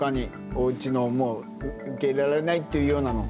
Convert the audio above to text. おうちのもう受け入れられないというようなの。